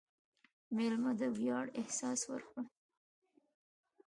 مېلمه ته د ویاړ احساس ورکړه.